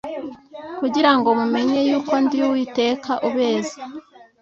kugira ngo mumenye yuko ndi Uwiteka ubeza